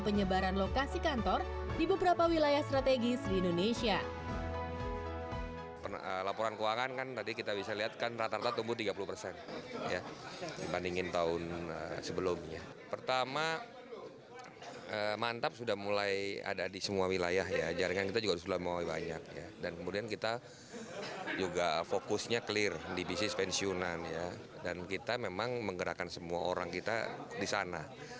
pembangunan pembangunan pembangunan